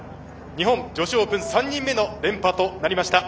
日本女子オープン３人目の連覇となりました